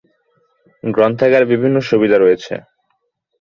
গ্রন্থাগারে বিভিন্ন সুবিধা রয়েছে।